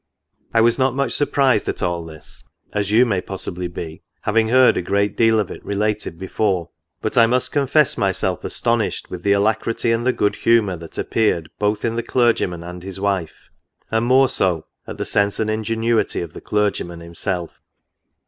I was not much surprised at all this, as you may possibly be, having heard a great deal of it related before. But I must confess myself" astonished with the alacrity and the good humour that ap peared both in the clergyman and his wife, and more so, at the sense and ingenuity of the clergyman himself."